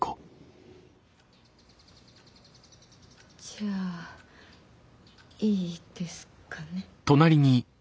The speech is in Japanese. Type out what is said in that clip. じゃあいいですかね。